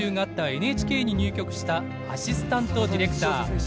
ＮＨＫに入局したアシスタントディレクター。